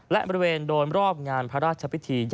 และบริเวณโดยรอบงานพระราชพิธี